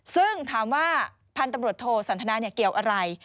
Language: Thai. ซึ่งถามว่าพันธุ์ตำรวจโทสันทนาเกี่ยวอะไร